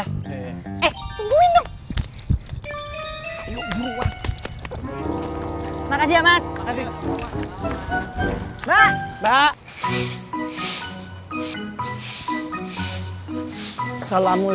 eh tungguin dong